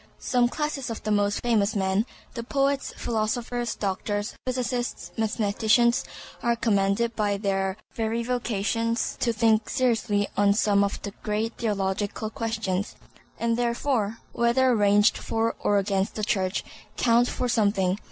Some classes of the most famous men—the poets, philosophers, doctors, physicists, mathematicians—are commanded by their very vocations to think seriously on some of the great theological questions, and therefore, whether ranged for or against the Church, count for something.